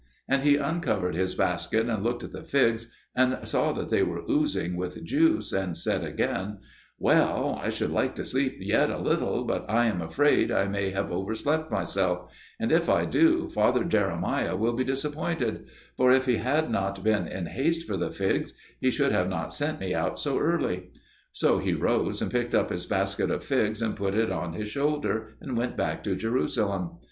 And he uncovered his basket and looked at the figs, and saw that they were oozing with juice; and said again, "Well, I should like to sleep yet a little, but I am afraid I may oversleep myself; and if I do, father Jeremiah will be disappointed; for if he had not been in haste for the figs, he would not have sent me out so early." So he rose and picked up his basket of figs and put it on his shoulder, and went back to Jerusalem.